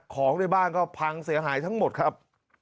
ของในบ้านก็พังเสียหายทั้งหมดครับ